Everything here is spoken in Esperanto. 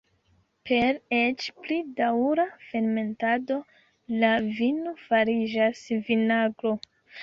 Per eĉ pli daŭra fermentado la vino fariĝas vinagro.